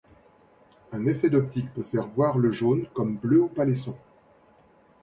Un effet d'optique peut faire voir le jaune comme bleu opalescent.